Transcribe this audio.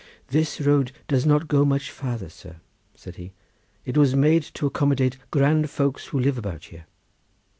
"This road does not go much farther, sir," said he; "it was made to accommodate grand folks who live about here."